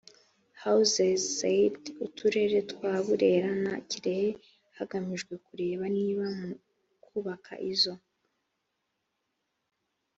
houses z uturere twa burera na kirehe hagamijwe kureba niba mu kubaka izo